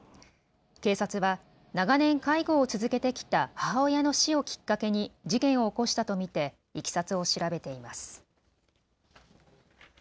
警察は長年介護を続けてきた母親の死をきっかけに事件を起こしたと見ていきさつを調べています。